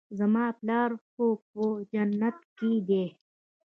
زما پلار خو په جنت کښې دى.